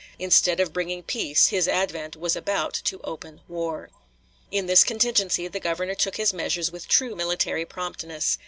Instead of bringing peace his advent was about to open war. In this contingency the Governor took his measures with true military promptness.